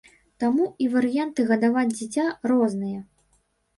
Таму і варыянты гадаваць дзіця розныя.